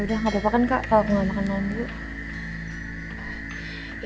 udah nggak papa kan kalau aku mau makan nanti